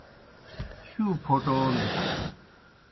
ہِیؤ پھوٹون